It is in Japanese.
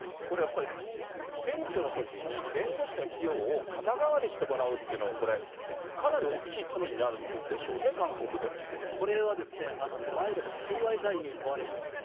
これやっぱり、選挙のときに弁護士の費用を肩代わりしてもらうっていうのは、これ、かなり大きい罪になるんでしょうね、これは、賄賂、収賄罪に問われます。